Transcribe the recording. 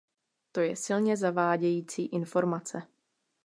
To je silně zavádějící informace.